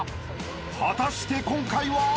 ［果たして今回は？］